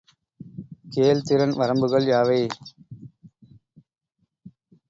கேள்திறன் வரம்புகள் யாவை?